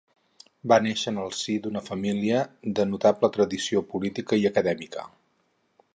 Va néixer en el si d'una família de notable tradició política i acadèmica.